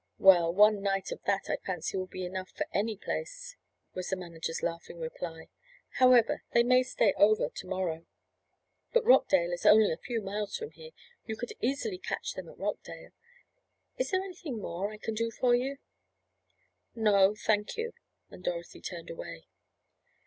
"Well, one night of that I fancy will be enough for any place," was the manager's laughing reply. "However, they may stay over to morrow. But Rockdale is only a few miles from there. You could easily catch them at Rockdale. Is there anything more I can do for you?" "No, thank you," and Dorothy turned away.